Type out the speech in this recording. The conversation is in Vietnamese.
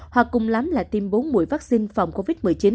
hoặc cùng lắm là tiêm bốn mũi vaccine phòng covid một mươi chín